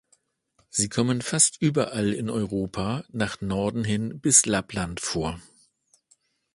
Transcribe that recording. Sie kommen fast überall in Europa, nach Norden hin bis Lappland vor.